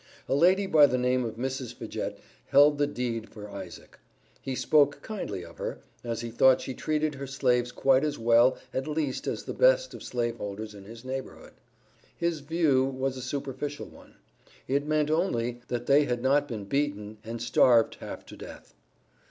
A lady by the name of Mrs. Fidget held the deed for Isaac. He spoke kindly of her, as he thought she treated her slaves quite as well at least as the best of slave holders in his neighborhood. His view was a superficial one, it meant only that they had not been beaten and starved half to death.